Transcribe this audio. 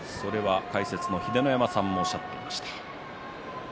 それは解説の秀ノ山さんもおっしゃっていました。